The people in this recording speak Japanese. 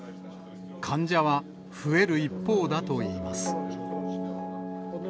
患者は増える一方だといいます。